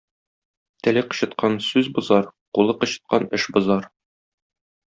Теле кычыткан сүз бозар, кулы кычыткан эш бозар.